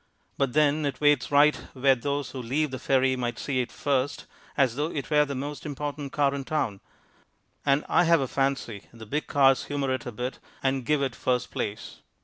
But then it waits right where those who leave the ferry may see it first as though it were the most important car in town, and I have a fancy the big cars humor it a bit and give it first place.